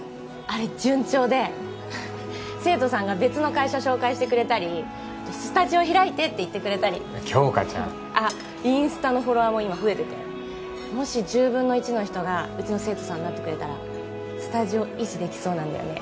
あれ順調で生徒さんが別の会社紹介してくれたり「スタジオ開いて」って言ってくれたり杏花ちゃんあっインスタのフォロワーも今増えててもし１０分の１の人がうちの生徒さんになってくれたらスタジオ維持できそうなんだよね